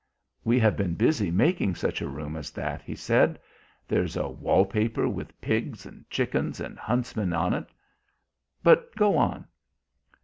"We have been busy making such a room as that," he said. "There's a wall paper with pigs and chickens and huntsmen on it. But go on."